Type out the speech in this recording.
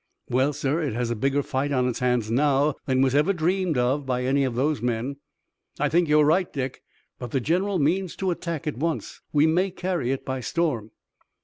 "Well, sir, it has a bigger fight on its hands now than was ever dreamed of by any of those men." "I think you're right, Dick, but the general means to attack at once. We may carry it by storm."